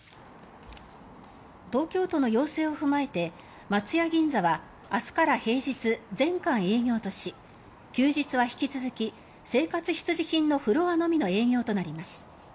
東京都の要請を踏まえて松屋銀座は明日から平日、全館営業とし休日は引き続き生活必需品のフロアのみの営業となります。